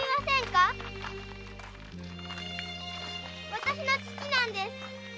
私の父なんです！